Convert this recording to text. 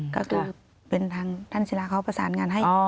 ก็คือเป็นทางท่านศิลาเขาประสานงานให้